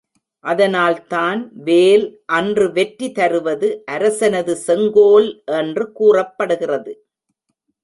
அதனால்தான் வேல் அன்று வெற்றி தருவது அரசனது செங்கோல் என்று கூறப்படுகிறது.